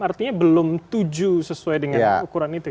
artinya belum tujuh sesuai dengan ukuran itu ya